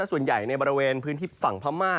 ส่วนใหญ่ในบริเวณพื้นที่ฝั่งพม่า